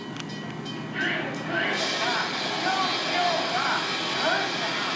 クルクルとかぴょんぴょんはダンスかな？